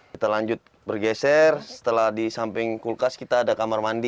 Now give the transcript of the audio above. kita lanjut bergeser setelah di samping kulkas kita ada kamar mandi